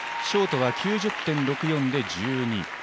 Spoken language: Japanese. ショートは９０．６４で１２位。